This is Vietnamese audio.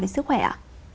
để sức khỏe ạ